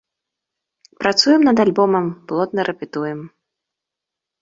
Працуем над альбомам, плотна рэпетуем.